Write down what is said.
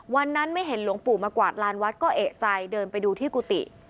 ไม่เห็นหลวงปู่มากวาดลานวัดก็เอกใจเดินไปดูที่กุฏิ